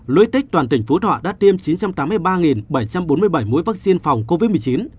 logistics toàn tỉnh phú thọ đã tiêm chín trăm tám mươi ba bảy trăm bốn mươi bảy mũi vaccine phòng covid một mươi chín